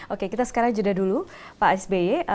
oke kita sekarang jeda dulu pak sby